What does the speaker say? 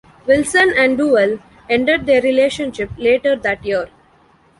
Wilson and Duell ended their relationship later that year.